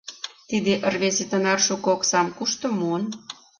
Тиде рвезе тынар шуко оксам кушто муын?